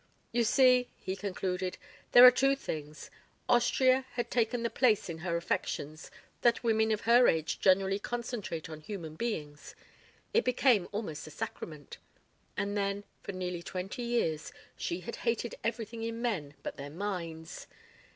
"You see," he concluded, "there are two things: Austria had taken the place in her affections that women of her age generally concentrate on human beings it became almost a sacrament. And then for nearly twenty years she had hated everything in men but their minds.